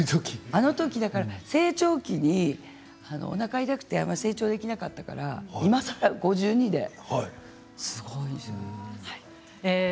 あのとき、だから成長期におなかが痛くて成長できなかったからいまさら５２歳ですごいんですよ。